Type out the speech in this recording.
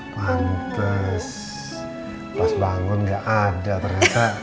pantas pas bangun gak ada ternyata